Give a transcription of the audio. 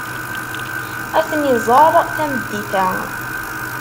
Ad ten-iẓer tameddit-a.